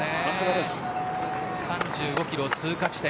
３５キロ通過地点。